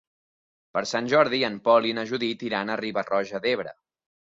Per Sant Jordi en Pol i na Judit iran a Riba-roja d'Ebre.